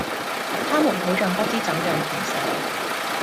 她們好像不知怎樣填寫